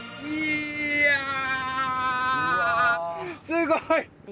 すごい！